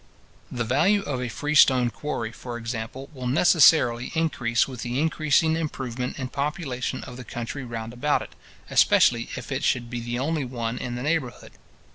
The value of a free stone quarry, for example, will necessarily increase with the increasing improvement and population of the country round about it, especially if it should be the only one in the neighbourhood.